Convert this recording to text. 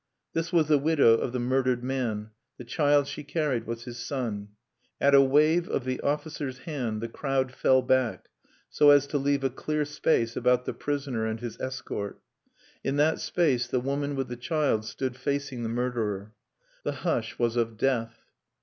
This was the widow of the murdered man; the child she carried was his son. At a wave of the officer's hand the crowd fell back, so as to leave a clear space about the prisoner and his escort. In that space the woman with the child stood facing the murderer. The hush was of death.